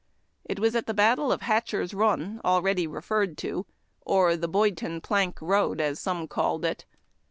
It was at the battle of Hatcher s Bun, already referred to, or the Boydton Plank Boad, as some called it.